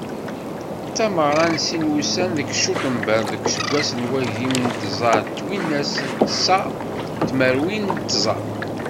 D tameɣra n sin n wussan deg cutember deg useggas n wagim d tẓa twinas d ṣa tmerwin d tẓa.